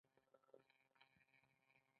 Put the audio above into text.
کله چې افغانستان کې ولسواکي وي لوبغالي جوړیږي.